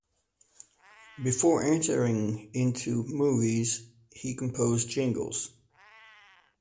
Before entering into movies he composed jingles.